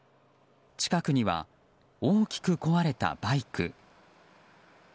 近くには大きく壊れたバイク。